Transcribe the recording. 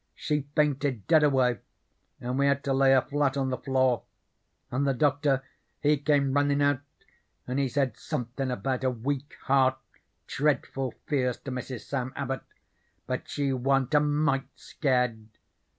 She fainted dead away and we had to lay her flat on the floor, and the Doctor he came runnin' out and he said somethin' about a weak heart dreadful fierce to Mrs. Sam Abbot, but she wa'n't a mite scared.